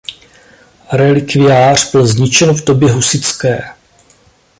Relikviář byl zničen v době husitské.